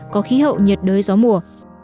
có khí hậu nhiệt đới gió mùa